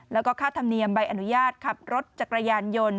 แล้วก็ค่าธรรมเนียมใบอนุญาตขับรถจักรยานยนต์